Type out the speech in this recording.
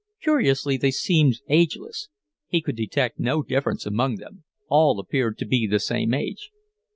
Curiously, they seemed ageless; he could detect no difference among them all appeared to be the same age.